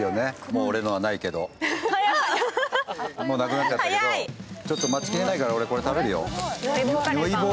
もうなくなっちゃったけど、ちょっと待ちきれないから、これ食べるよ。